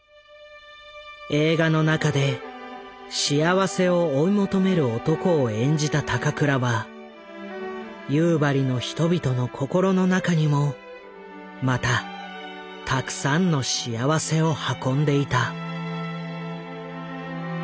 映画の中で幸せを追い求める男を演じた高倉は夕張の人々の心の中にもまたたくさんの幸せを運んでいた。